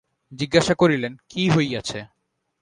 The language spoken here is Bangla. জিজ্ঞাসা করিলেন, কী হইয়াছে?